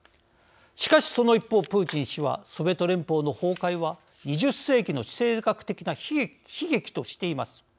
しかし、その一方プーチン氏はソビエト連邦の崩壊は２０世紀の地政学的な悲劇としています。